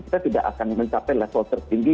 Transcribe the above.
kita tidak akan mencapai level tertinggi